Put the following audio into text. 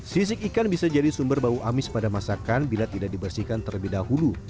sisik ikan bisa jadi sumber bau amis pada masakan bila tidak dibersihkan terlebih dahulu